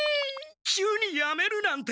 急にやめるなんて。